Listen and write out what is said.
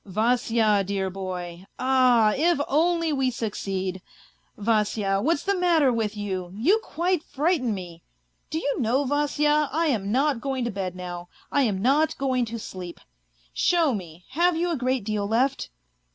" Vasya, dear boy ! Ah, if only we succeed ! Vasya, what's the matter with you, you quite frighten me ! Do you know, Vasya, I am not going to bed now, I am not going to sleep ! Show me, have you a great deal left